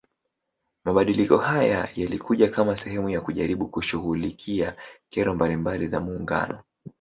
Mabadiliko haya yalikuja kama sehemu ya kujaribu kushughulikia kero mbalimbali za muungano